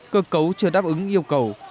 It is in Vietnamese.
cơ cấu chưa đáp ứng yêu cầu